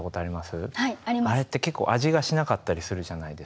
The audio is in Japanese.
あれって結構味がしなかったりするじゃないですか。